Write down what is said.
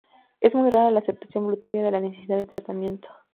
Es muy rara la aceptación voluntaria de la necesidad de tratamiento.